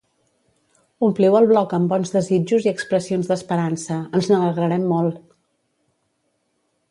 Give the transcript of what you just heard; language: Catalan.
Ompliu el blog amb bons desitjos i expressions d'esperança, ens n'alegrarem molt!